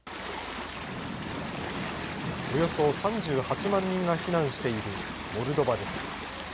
およそ３８万人が避難しているモルドバです。